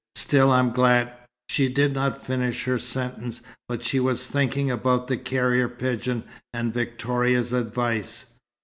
"Still, I'm glad " She did not finish her sentence. But she was thinking about the carrier pigeon, and Victoria's advice.